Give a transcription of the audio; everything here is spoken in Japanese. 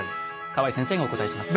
河合先生がお答えします。